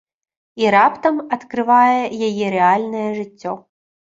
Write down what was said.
І раптам адкрывае яе рэальнае жыццё.